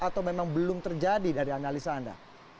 atau memang belum terjadi dari analisa anda